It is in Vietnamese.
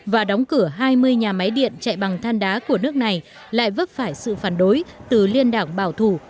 và đóng cửa hai mươi nhà máy điện chạy bằng than đá của nước này lại vấp phải sự phản đối từ liên đảng bảo thủ